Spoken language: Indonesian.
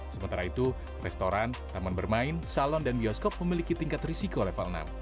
sementara itu restoran taman bermain salon dan bioskop memiliki tingkat risiko level enam